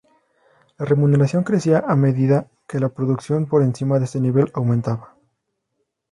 La remuneración crecía a medida que la producción por encima de este nivel aumentaba.